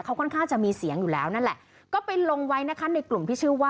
เค้าไปถ่ายคลิปเอาไว้แล้วโพสต์ลงไปในกลุ่ม